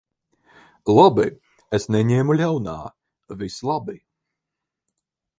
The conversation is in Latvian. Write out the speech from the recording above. Labi. Es neņemu ļaunā. Viss labi.